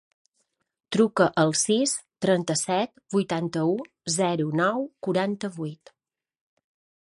Truca al sis, trenta-set, vuitanta-u, zero, nou, quaranta-vuit.